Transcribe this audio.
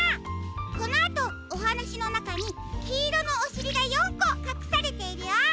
このあとおはなしのなかにきいろのおしりが４こかくされているよ。